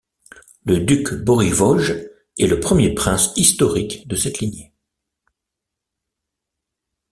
Le duc Bořivoj est le premier prince historique de cette lignée.